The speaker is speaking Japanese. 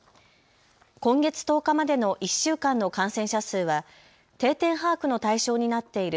今月１０日までの１週間の感染者数は定点把握の対象になっている